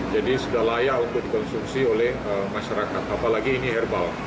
jadi sudah layak untuk dikonsumsi oleh masyarakat apalagi ini herbal